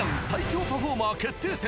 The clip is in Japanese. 最強パフォーマー決定